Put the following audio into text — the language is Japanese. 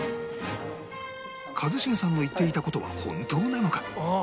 一茂さんの言っていた事は本当なのか？